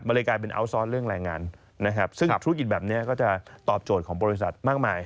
มันเลยกลายเป็นอัลซ้อนเรื่องแรงงานนะครับซึ่งธุรกิจแบบนี้ก็จะตอบโจทย์ของบริษัทมากมาย